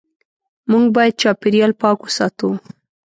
موږ باید چاپېریال پاک وساتو.